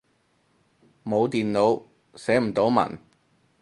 冇電腦，寫唔到文